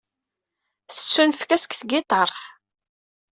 Tettunefk-as deg tgiṭart.